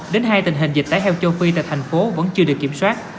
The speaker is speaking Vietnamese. đến hai tình hình dịch tải heo châu phi tại thành phố vẫn chưa được kiểm soát